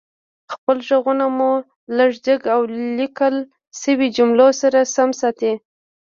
خپل غږونه مو لږ جګ او ليکل شويو جملو سره سم ساتئ